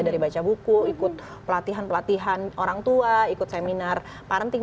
dari baca buku ikut pelatihan pelatihan orang tua ikut seminar parenting